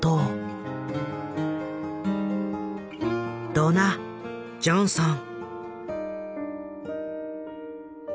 ドナ・ジョンソン。